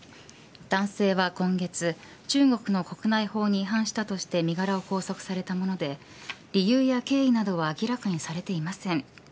男性は今月、中国の国内法に違反したとして身柄を拘束されたもので理由や経緯などは明らかにされていません。